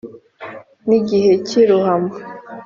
n' igihe cy' i ruhama,